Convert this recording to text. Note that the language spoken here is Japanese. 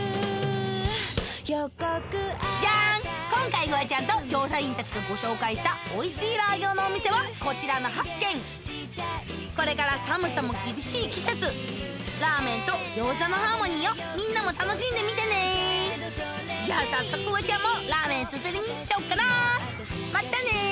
今回フワちゃんと調査員たちがご紹介したおいしいラー餃のお店はこちらの８軒これから寒さも厳しい季節ラーメンと餃子のハーモニーをみんなも楽しんでみてねじゃあ早速フワちゃんもラーメンすすりに行っちゃおうかなまたね！